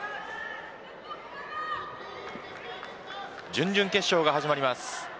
準々決勝が始まります。